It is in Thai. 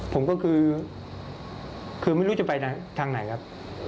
ผมก็คือไม่รู้จะไปทางไหนครับ